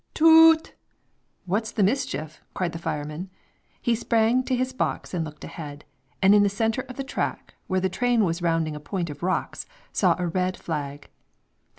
Toot! "What's the mischief?" cried the fireman. He sprung to his box and looked ahead, and in the center of the track, where the train was rounding a point of rocks, saw a red flag.